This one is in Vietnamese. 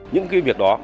những cái việc đó